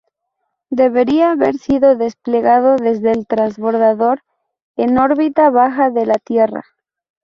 Debería haber sido desplegado desde el transbordador en órbita baja de la Tierra.